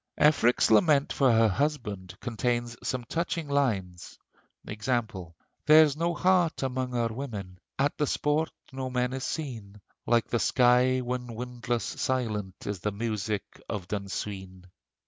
Efric's lament for her husband contains some touching lines; e. g.: "There's no heart among our women; At the sport, no men are seen; Like the sky when windless, silent Is the music of Dun Sween!"